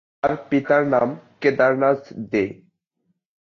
তার পিতার নাম কেদারনাথ দে।